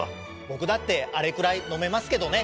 ぼくだってあれくらいのめますけどね。